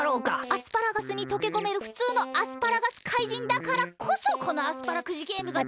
アスパラガスにとけこめるフツウのアスパラガスかいじんだからこそこのアスパラくじゲームが。